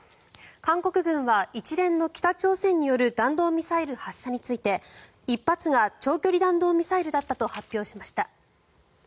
韓国軍は、一連の北朝鮮による弾道ミサイル発射について１発が長距離弾道ミサイルだったと発表しました。